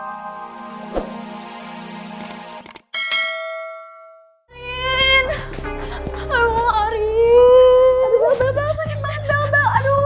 aduh pelan pelan sakit mandal